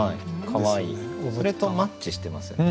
それとマッチしてますよね。